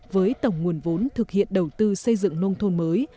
với tổng nguồn vốn thực hiện đầu tư xây dựng nông thôn mới